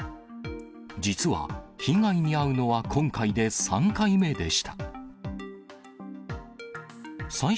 実は被害に遭うのは今回で３回目でした。